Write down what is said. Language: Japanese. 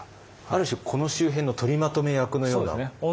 ある種この周辺の取りまとめ役のような。